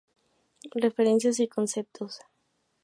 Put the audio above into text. Referencias y conceptos